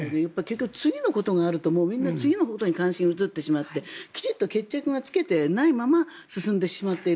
次のことがあると次のことに関心が移ってしまって決着をつけていないまま進んでしまっている。